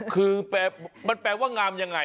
คือมันแปลว่างามยังไง